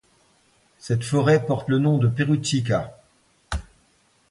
Cette forêt porte le nom de Perućica.